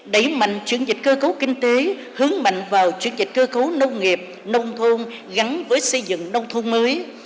đẩy mạnh chuyển dịch cơ cấu kinh tế hướng mạnh vào chuyển dịch cơ cấu nông nghiệp nông thôn gắn với xây dựng nông thôn mới